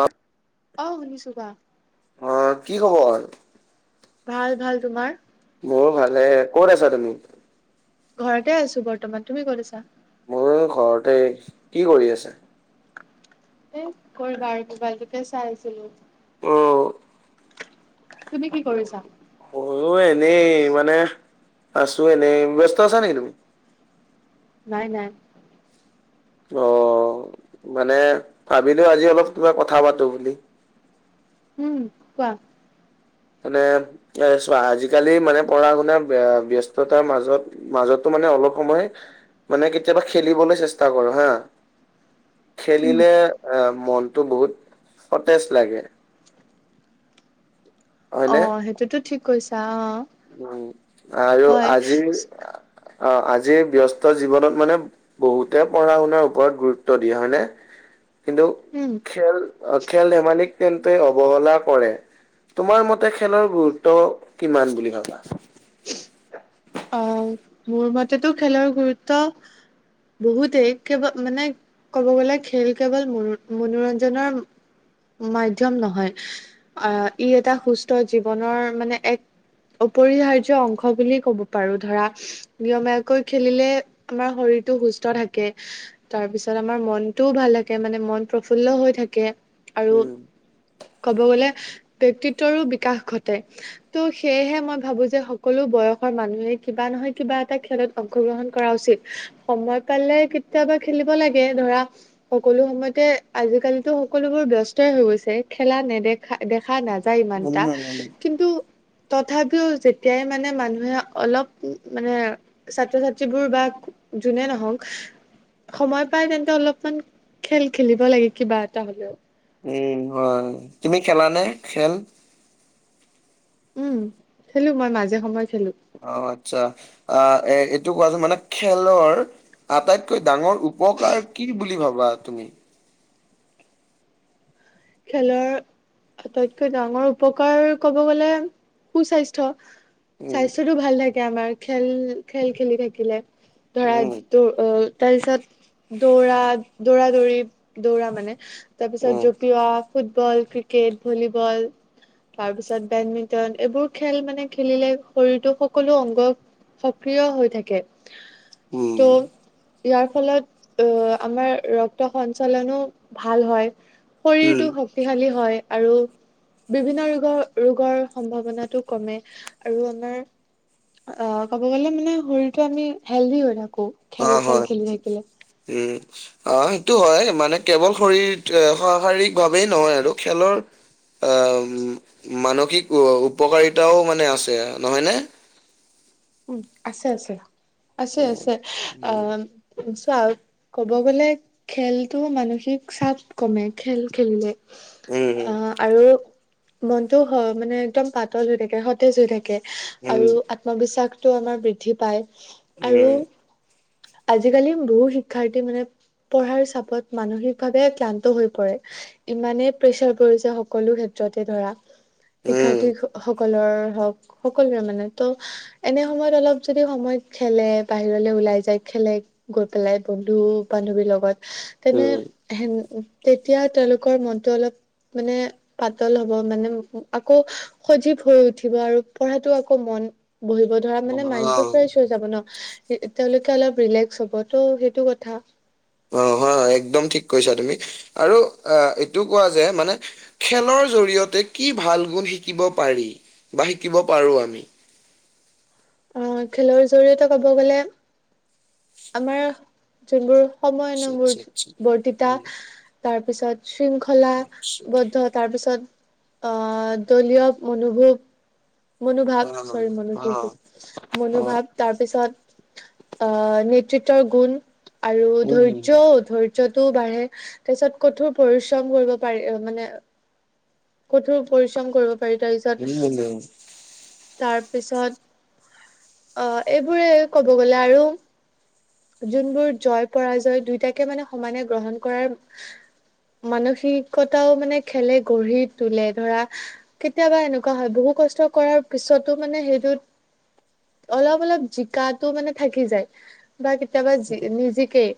অঁহ। অঁহ শুনিছো কোৱা। অঁ কি খবৰ? ভাল ভাল, তোমাৰ? মোৰ ভালে, ক'ত আছা তুমি? ঘৰতে আছো বৰ্তমান, তুমি ক'ত আছা? মইও ঘৰতে, কি কৰি আছা? এই কি কৰিবা আৰু, মোবাইলটোকে চাই আছিলো। উম। তুমি কি কৰিছা বাৰু। মইয়ো এনেই মানে আছো এনেই, ব্যস্ত আছা নেকি তুমি? নাই, নাই। অঁ মানে ভাবিলো আজি অলপ কিবা কথা পাতো বুলি। উম, কোৱা? মানে এ চোৱা, আজিকালি মানে পঢ়া শুনা বে ব্যস্ততাৰ মাজত মাজতো মানে অলপ সময় মানে কেতিয়াবা খেলিবলৈ চেষ্টা কৰ হাঁ। [unintelligible] খেলিলে অঁ মনতটো বহুত সতেজ লাগে। হয়নে অঁ সেইটোতো ঠিক কৈছা অঁ। উম, আৰু আজিৰ অঁ আজিৰ ব্যস্ত জীৱনত মানে বহুতে পঢ়া শুনাৰ ওপৰত গুৰুত্ব দিয়া হয়নে? কিন্ত উম। খেল অঁ খেল ধেমালিক তেন্তে অৱহেলা কৰে তোমাৰ মতে খেলৰ গুৰুত্ব কিমান বুলি ভাবা? অঁ মোৰ মতেটো খেলৰ গুৰুত্ব বহুতেই, কেব মানে ক'ব গ'লে খেল কেৱল মোৰো মনোৰঞ্জনৰ মাধ্যম নহয়। অঁ ই এটা সুস্থ জীৱনৰ মানে এক অপৰিহাৰ্য্য ৰ্য্য অংশ বুলি ক'ব পাৰো। ধৰা নিয়মীয়াকৈ খেলিলে আমাৰ শৰীৰটো সুস্থ থাকে। তাৰপিছত আমাৰ মনটোও ভাল থাকে মানে মন প্ৰফুল্ল হৈ থাকে। আৰু উম, ক'ব গ'লে ব্যক্তিত্বৰো বিকাশ ঘটে, ত' সেয়েহে মই ভাবো যে সক কলো বয়সৰ মানুহে কিবা নহয় কিবা এটা খেলত অংশগ্ৰহণ কৰা উচিত। সময় পালে কেতিয়াবা খেলিব লাগে। ধৰা সকলো সময়তে আজিকালিতো সকলোবোৰ ব্যস্তই হৈ গৈছে। খেলা নেদেখ খা দেখা নাযায় উম, ইমানটা, উম, কিন্তু তথাপিও যে তে মানে মানুহে অলপ উম মানে ছাত্ৰ ছাত্ৰীবোৰ বা যোনে নহওঁক সময় পাই তেন্তে অলপমান খেল খেলিব লাগে কিবা এটা হলেওঁ। উম, হয়। তুমি খেলানে খেল? উম, খেলো মই মাজে সময়ে খেলো। অঁ আচ্ছা, আঁহ এ এইটো কোৱা চোন, মানে খেলৰ আটাইতকৈ ডাঙৰ উপকাৰ কি বুলি ভাবা তুমি? খেলৰ আটাইতকৈ ডাঙৰ উপকাৰ ক'ব গ'লে সুস্বাস্থ্য। উম, স্বাস্থ্যতটো ভাল থাকে আমাৰ খেল খেল খেলি থাকিলে। ধৰা উম, টো অ' তাৰপিছত দৌৰা দৌৰা দৌৰি দৌৰা মানে, তাপিছত উম, যোগ বা ফুটবল, ক্ৰিকেট, ভলীবল তাৰ পিছত বেডমিণ্টন এইবোৰ খেল মানে খেলিলে শৰীৰটোৰ সকলো অংগ সক্ৰিয় হৈ থাকে উম, ত' ইয়াৰ ফলত অ আমাৰ ৰক্ত সঞ্চালনো ভাল হয় উম, শৰীৰটো শক্তিশালী হয় আৰু বিভিন্ন ৰোগ ৰোগৰ সম্ভাৱনাটো কমে আৰু আমাৰ অঁ ক'ব গ'লে মানে শৰীৰটো আমি হেলডি হৈ থাকো অ খেল হয় চেল খেলি থাকিলে উম আহ সেইটো হয় মানে কেৱল শৰীৰ অ শাৰীৰিক ভাৱেই নহয় আৰু খেলৰ অহ মানসিক উ উপকাৰিতাও মানে আছে নহয়নে উম আছে আছে আছে উম আছে উম আহ চা ক'ব গলে খেলতো মানসিক চাপ কমে খেল খেলিলে আহ আৰু মনটো অহ মানে একদম পাতল হৈ থাকে সতেজ হৈ থাকে আৰু উম আত্মবিশ্বাস টো আমাৰ বৃদ্ধি পায় উম আজিকালি বহু শিক্ষাৰ্থী মানে পঢ়াৰ চাপত মানসিকভাৱে ক্লান্ত হৈ পৰে ইমানেই প্ৰেচাৰ পৰিছে সকলো ক্ষেত্ৰতে ধৰা উম উম শিক্ষাৰ্থী সকলৰ হওক সকলোৰে মানে ত এনে সময়ত অলপ যদি সময়ত খেলে বাহিৰলে ওলাই যায় খেলে গৈ পেলাই বন্ধু বান্ধৱীৰ লগত তেনে উম হে তেতিয়া তেওঁলোকৰ মনটো অলপ মানে পাতল হব মানে আকৌ সজীৱ হৈ উঠিব আৰু পঢ়াটো আকৌ মন বহিব ধৰা মানে অ অ মাইনটো ফ্ৰেচ হৈ যাব নহ তেওঁলোকে অলপ ৰিলেক্স হব তহ' সেইটো কথা অ হয় একদম ঠিক কৈছা তুমি আৰু আহ এইটো কোৱা যে মানে খেলৰ জৰিয়তে কি ভাল গুণ শিকিব পাৰি বা শিকিব পাৰোঁ আমি আহ খেলৰ জৰিয়তে কব গলে আমাৰ যোনবোৰ সময় আচ্ছা নহ আচ্ছা বোৰ আচ্ছা বৰ্তিতা উম, তাৰ পিছত শৃংখলা আচ্ছা। বদ্ধত তাৰপিছত অ দলীয় মনোভোগ মনোভাৱ চৰি মনো অ অ উম, মনোভাৱ তাৰপিছত আহ নেতৃত্বৰ গুণ আৰু অ', ধৈৰ্যও ধৰ্য যতো বাঢ়ে তাৰ পিছত কঠোৰ পৰিশ্ৰম কৰিব পাৰি মানে কঠোৰ পৰিশ্ৰম কৰিব পাৰি তাৰপিছত তাৰ পিছত অ এইবোৰে ক'ব গলে আৰু যোনবোৰ জয় পৰাজয় দুয়টাকে মানে সমানে গ্ৰহণ কৰাৰ মানসিকতাও মানে খেলে গঢ়ি তোলে ধৰা কেতিয়াবা এনেকুৱা হয় বহু কষ্ট কৰাৰ পিছতো মানে সেইটোত অলপ অলপ জিকাতো মানে থাকি যায় বা কেতিয়াবা জি নিজিকেই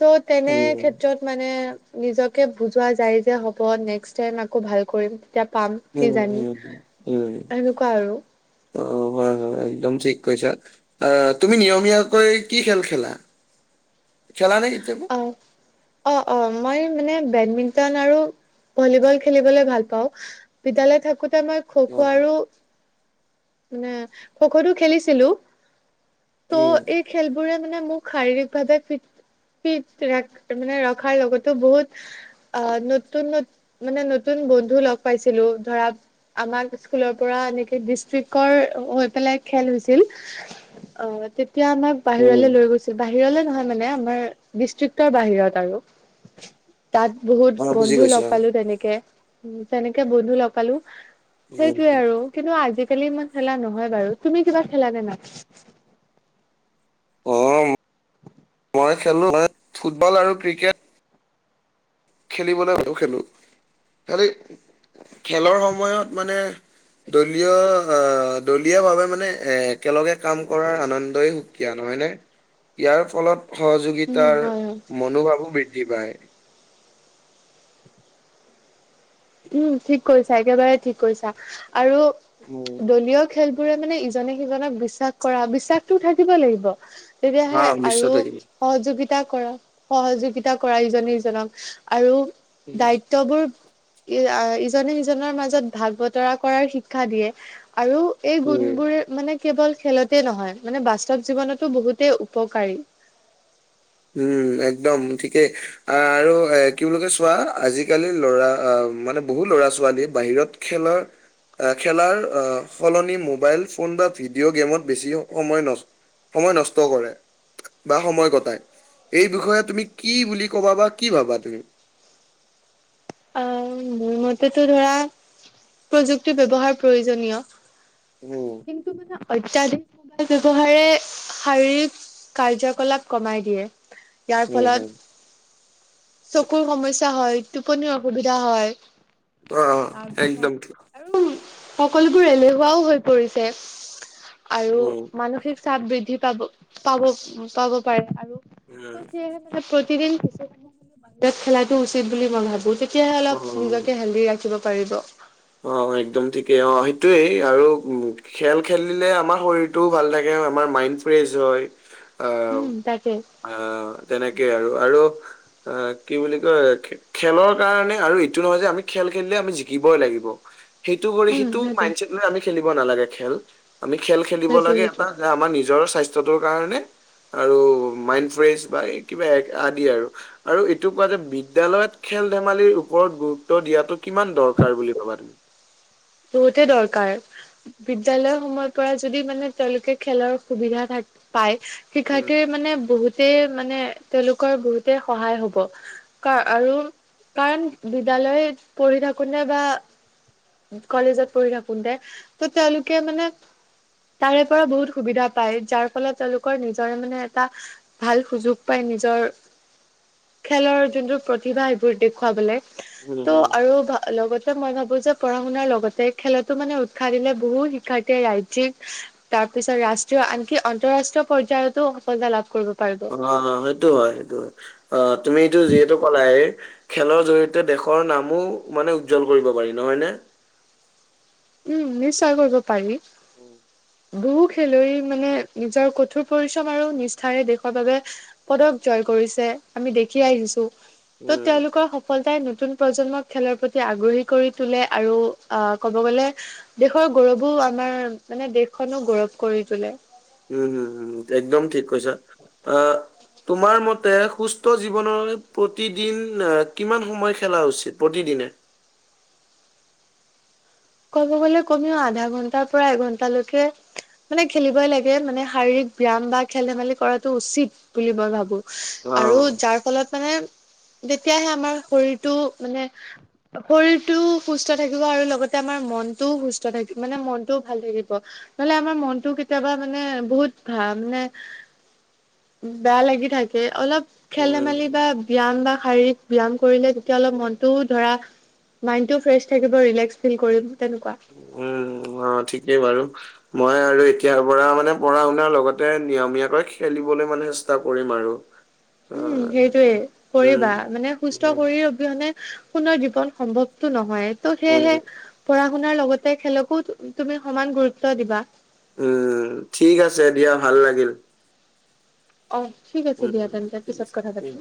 ত' তেনে ক্ষেত্ৰত মানে নিজকে বুজোৱা যায় যে হ'ব নেক্স টাইম আকৌ ভাল কৰিম এতিয়া পাম কি জানি এনেকুৱা আৰু অ একদম ঠিক কৈছা আহ তুমি নিয়মীয়াকৈ কি খেল খেলা খেলা নে কেতিয়াবা হয় অ অ মই মানে বেডমিণ্টন আৰু ভলীবল খেলিবলৈ ভাল পাও‍ঁ বিদ্যালয় থাকোতে [unintelligible] খো-খো অ', আৰু মানে খো-খোটো খেলিছিলোঁ। উম, ত' এই খেলবোৰে মানে মোক শাৰীৰিকভাৱে ফিট ফিট ৰা মানে, ৰখাৰ লগতো বহুত আ, নতুন নতু, মানে নতুন বন্ধু লগ পাইছিলোঁ ধৰা আমাক স্কুলৰ পৰা এনেকে ডিষ্ট্ৰিক্টৰ হৈ পেলাই খেল হৈছিল। অ তেতিয়া আমাক উম, বাহিৰলে লৈ গৈছিল বাহিৰলে নহয় মানে আমাৰ ডিষ্ট্ৰিক্টৰ বাহিৰত আৰু তাত বহুত অ', বুজি বন্ধু পাইছো লগ অ', পালোঁ তেনেকে তেনেকে বন্ধু লগ‌ পালোঁ, উম, সেইটোয়ে আৰু কিন্তু আজিকালি ইমান খেলা নহয় বাৰু, তুমি কিবা খেলা নে নাই? অ', ম [unintelligible] মই খেলো মানে ফুটবল আৰু ক্ৰিকেট। খেলিবলৈ হলেওঁ খেলো। খালি খেলৰ সময়ত মানে দলীয় অ দলীয়া ভাৱে মানে এ একেলগে কাম কৰাৰ আনন্দই সু কীয়া নহয় নে? ইয়াৰ ফলত উম সহযোগিতাৰ হয় হয় মনোভাৱো বৃদ্ধি পায়। উম ঠিক কৈছা একেবাৰে ঠিক কৈছা আৰু উম দলীয় খেলবোৰে মানে ইজনে সিজনক বিশ্বাস কৰা, বিশ্বাসটো থাকিব লাগিব। হা তেতিয়াহে নিশ্চয় আৰু থাকিব। সহযোগিত তা কৰা সহযোগিতা কৰা ইজনে সিজনক, আৰু দায়িত্ববোৰ ই য়া ইজনে সিজনৰ মাজত ভাগ বতৰা কৰাৰ শিক্ষা দিয়ে আৰু এই উম গুণবোৰ মানে কেৱল খেলতে নহয় মানে বাস্তৱ জীৱনতো বহুতেই উপকাৰী। উম, একদম ঠিকেই। আহ আৰু এ কি বুলিকৈ চোৱা আজিকালি ল'ৰা মানে বহু ল'ৰা ছোৱালী বাহিৰত খেলৰ আহ খেলাৰ আহ সলনি মোবাইল ফোন বা ভিডিঅ' গেমত বেছি সময় নষ্ট সময় নষ্ট কৰে বা সময় কটায়। এই বিষয়ে তুমি কি বুলি ক'বা বা কি ভাবা তুমি? মইটো টো ধৰা প্ৰযুক্তি ব্যৱহাৰ প্ৰয়োজনীয় উম, কিন্ত মানে অত্যাধিক [inaudible] ব্যৱহাৰে শাৰীৰিক কাৰ্যকলাপ কমাই দিয়ে। ইয়াৰ উম, ফলত, হুম, চকুৰ সমস্যা হয় টোপনিৰ অসুবিধা হয়। অ', তাৰপিছত একদম ঠিক, আৰু সকলোবোৰ এলেহুৱাও হৈ পৰিছে। আৰু উম, মানসিক চাপ বৃদ্ধি পাব পাব পাব পাৰে আৰু উম, ত সেয়েহে মানে প্ৰতিদিন [unintelligible] বাহিৰত খেলাটো উচিত বুলি মই ভাবো [unintelligible] তেতিয়াহে অলপ অ', নিজকে হেলথী ৰাখিব পাৰিব। অ, একদম ঠিকেই অ সেইটোয়েই আৰু খেল খেলিলে আমাৰ শৰীৰটোও ভাল থাকে আমাৰ মাইণ্ড ফ্ৰেছ হয়। উম তাকে। আঁ তেনেকেই আৰু, আৰু আ, কি বুলি কয় খেলৰ কাৰণে আৰু এইটো নহয় যে আমি খেল খেলিলে আমি জিকিবই লাগিব ব, সেইতো কৰি উম সেইতো সেইটোৱে মাইঞ্চেত লৈ আমি খেলিব নালাগে খেল, আমি খেল খেলিব সেইটোৱে লাগে সেইটোৱে। এটা যে আমাৰ নিজৰ স্বাস্থ্যটোৰ কাৰণে আৰু মাইণ্ডফ্ৰেছ বা কিবা আদি আৰু। আৰু এইটো কোৱা যে বিদ্যালয়ত খেল ধেমালিৰ ওপৰত গুৰুত্ব দিয়াটো কিমান দৰকাৰ বুলি ভাবা? [unintelligible] বহুতে দৰকাৰ। বিদ্যালয় সময় পৰা যদি মানে তেওঁলোকে খেলৰ সুবিধা থ পায় উম শিক্ষাৰ্থীৰ মানে বহুতেই মানে তেওঁলোকৰ বহুতেই সহায় হ'ব। কাৰ আৰু কাৰণ বিদ্যালয় পঢ়ি থাকোতে বা কলেজত পঢ়ি থাকোতে ত তেওঁলোকে মানে তাৰে পৰা বহুত সুবিধা পায় যাৰ ফলত তেওঁলোকৰ নিজৰে মানে এটা ভাল সুযোগ পাই নিজৰ খেলৰ যোনটো প্ৰতিভা এইবোৰ দেখুৱাবলে। হম ত' হম আৰু লগতে মই ভাবো যে পঢ়া শুনাৰ লগতে খেলতো মানে উৎসাহ দিলে বহুত শিক্ষাৰ্থীয়ে ৰাজ্যিক তাৰ পিছত ৰাষ্ট্ৰীয় আনকি আন্তঃৰাষ্ট্ৰীয় পৰ্য্যায়তো সফলতা লাভ কৰিব পাৰে অ সেইটো হয় সেইটো হয় অ তুমিটো যিহেতু কলাই খেলৰ জৰি়য়তে দেশৰ নামো মানে উজ্জ্বল কৰিব পাৰি, নহয় নে? উম নিশ্চয় কৰিব পাৰি। [unintelligible] বহু খেলুৱৈ মানে নিজৰ কঠোৰ পৰিশ্ৰম আৰু নিষ্ঠাৰে দেশৰ বাবে, পদক জয় কৰিছে আমি দেখি আহিছো উম ত' তেওঁলোকৰ সফলতাই নতুন প্ৰজন্মক খেলৰ প্ৰতি আগ্ৰহী কৰি তোলে আৰু আহ ক'ব গলে দেশৰ গৌৰৱো আমাৰ মানে দেশখনো গৌৰৱ কৰি তোলে। উম হম হ একদম ঠিক কৈছা অ তোমাৰ মতে সুস্থ জীৱন প্ৰতিদিন আহ কিমান সময় খেলা উচিত প্ৰতিদিনে? ক'ব গ'লে কমিও আধা ঘন্টাৰ পৰা এঘন্ট লৈকে, মানে খেলিবই লাগে মানে শাৰীৰিক ব্যায়াম বা খেল ধেমালি কৰাটো উচিত বুলি মই ভাবোঁ। অ আৰু যাৰ ফলত মানে তেতিয়াহে আমাৰ শৰীৰটো মানে শৰীৰটোও সুস্থ থাকিব আৰু লগতে আমাৰ মনতও সুস্থ থাকিব মানে মনটোও ভাল থাকিব। নহলে আমাৰ মনটো কেতিয়াবা মানে বহুত ভাল মানে, বেয়া লাগি থাকে অলপ খেল উম ধেমালি বা ব্যায়াম বা শাৰীৰিক ব্যায়াম কৰিলে তেতিয়া অলপ মনটো ধৰা মাইনটো ফ্ৰেছ থাকিব ৰিলেক্স। ফিৰ কৰিম তেনেকুৱা। উম অ ঠিকেই বাৰু মই আৰু এতিয়াৰ পৰা মানে পঢ়া শুনাৰ লগতে নিয়মীয়াকৈ খেলিবলৈ মানে চেষ্টা কৰিম আৰু। অ উম সেইটোয়ে উম কৰিবা মানে সুস্থ উম কৰি মানে সুনৰ জীৱন সম্ভৱতটো নহয় ত' উম সেয়েহে পঢ়া পঢ়া শুনাৰ লগতে খেলকো তুমি সমান গুৰুত্ব দিবা। উম ঠিক আছে দিয়া ভাল লাগিল। অ ঠিক আছে দিয়া উম, তেন্তে ঠিক পিছত আছে কথা উম। পাতিম।